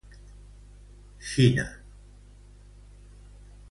Xina.